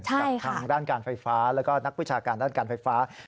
กับทางด้านการไฟฟ้าแล้วก็นักวิชาการด้านการไฟฟ้า